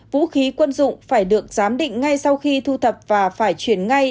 vũ khí quân dụng phải được giám định ngay sau khi thu thập và phải chuyển ngay